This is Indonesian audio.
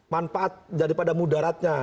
manfaat daripada mudaratnya